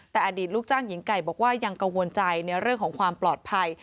แต่อดีตลูกจ้างหญิงไก่บอกว่ายังกังวลใจในเรื่องของความปลอดภัย